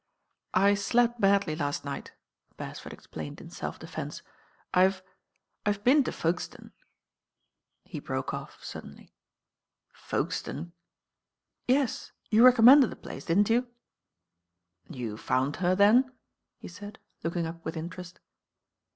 "I slept badly last night," Beresford explained in self^cfcnsc. "I've— I've been to Folkestone " he broke off suddenly. "Folkestone!" "Yes, you recommended the place, didn't you?" "You found her then?" he said, looking up with interest.